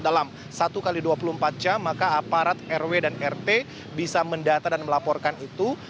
dalam satu x dua puluh empat jam maka aparat rw dan rt bisa mendata dan melaporkan itu